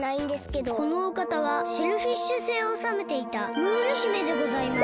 このおかたはシェルフィッシュ星をおさめていたムール姫でございます。